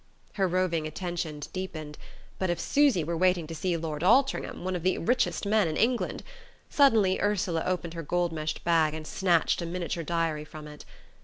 Her roving attention deepened.... But if Susy were waiting to see Lord Altringham one of the richest men in England! Suddenly Ursula opened her gold meshed bag and snatched a miniature diary from it.